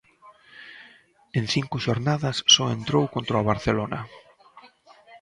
En cinco xornadas só entrou contra o Barcelona.